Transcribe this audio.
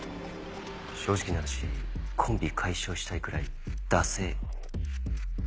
正直な話コンビ解消したいくらいダセェ。